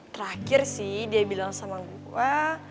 terakhir sih dia bilang sama gue